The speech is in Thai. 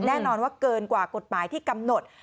แน่นอนว่าเกินกว่ากฎหมายที่กำหนด